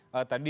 seperti apa sih